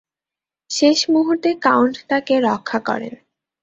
শেষ মুহুর্তে কাউন্ট তাকে রক্ষা করেন।